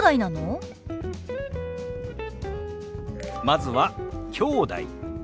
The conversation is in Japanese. まずは「きょうだい」。